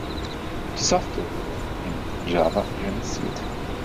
Die Software wurde in Java realisiert.